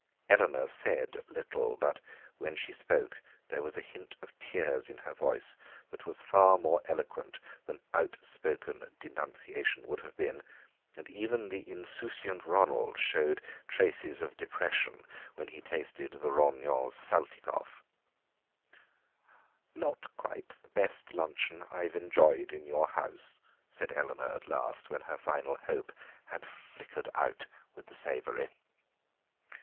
Eleanor said little, but when she spoke there was a hint of tears in her voice that was far more eloquent than outspoken denunciation would have been, and even the insouciant Ronald showed traces of depression when he tasted the rognons Saltikoff. "Not quite the best luncheon I've enjoyed in your house," said Eleanor at last, when her final hope had flickered out with the savoury.